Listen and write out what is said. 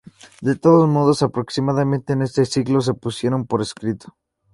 De todos modos, aproximadamente en ese siglo se pusieron por escrito.